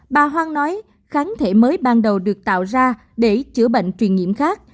bà hoang nói kháng thể mới ban đầu được tạo ra để chữa bệnh truyền nhiễm khác